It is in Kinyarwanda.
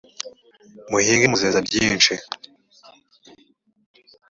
muhinge muzeza byinshi.